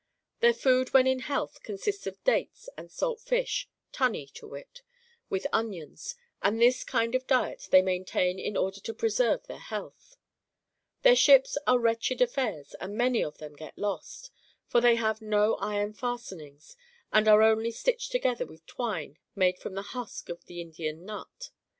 Their food when in health consists of dates and I08 MARCO POLO Book I. salt fish (tunny, to wit) and onions, and this kind of diet they maintain in order to preserve their health." Their ships are wretched affairs, and many of them get lost ; for they have no iron fastenings, and are only stitched toQfether with twine made from the husk of the Indian nut.